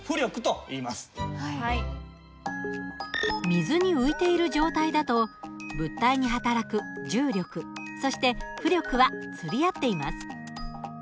水に浮いている状態だと物体に働く重力そして浮力は釣り合っています。